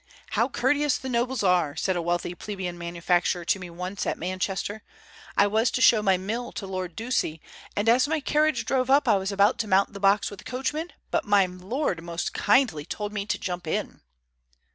"How courteous the nobles are!" said a wealthy plebeian manufacturer to me once, at Manchester. "I was to show my mill to Lord Ducie, and as my carriage drove up I was about to mount the box with the coachman, but my lord most kindly told me to jump in."